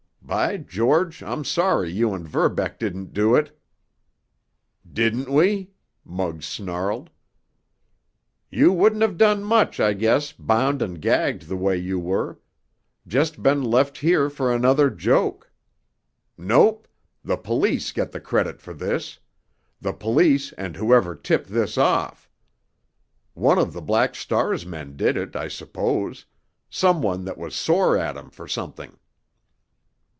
By George, I'm sorry you and Verbeck didn't do it!" "Didn't we?" Muggs snarled. "You wouldn't have done much, I guess, bound and gagged the way you were—just been left here for another joke. Nope! The police get the credit for this—the police and whoever tipped this off. One of the Black Star's men did it, I suppose—some one that was sore at him for something."